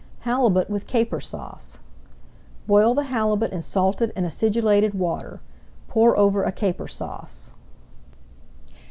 HALIBUT WITH CAPER SAUCE Boil the halibut in salted and acidulated water. Pour over a Caper Sauce.